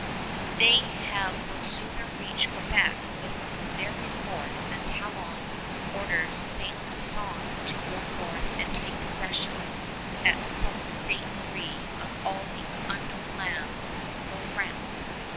They have no sooner reached Quebec with their report than Talon orders St. Lusson to go north and take possession at Sault Ste. Marie of all these unknown lands for France.